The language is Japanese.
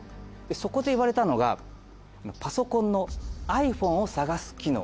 そこで言われたのがパソコンのｉＰｈｏｎｅを探す機能。